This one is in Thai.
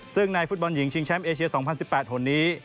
ซึ่งในฟุตบอลหญิงชิงแชมป์เอเชีย๒๐๑๘หนนี้